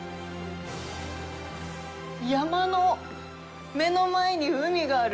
山の目の前に海がある。